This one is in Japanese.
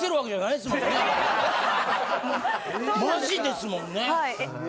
マジですもんね。